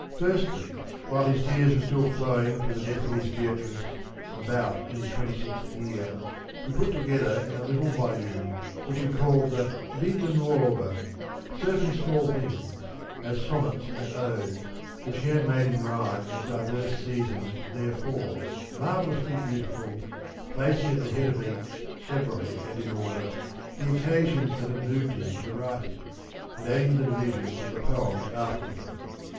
Firstly, while his tears were still flowing for the death of his Beatrice, about in his twenty sixth year, he put together in a little volume, which he called the Vita Nuova, certain small things, as Sonnets and Odes, which he had made in rhyme at diverse seasons theretofore, marvellously beautiful, placing at the head of each severally and in order the occasions that had moved him to write it, and adding the divisions of the poems after them.